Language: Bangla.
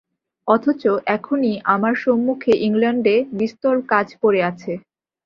অথচ এখনই আমার সম্মুখে ইংলণ্ডে বিস্তর কাজ পড়ে আছে।